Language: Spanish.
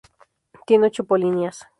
Tiene ocho polinias.